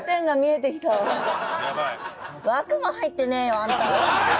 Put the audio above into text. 枠も入ってねーわあんた。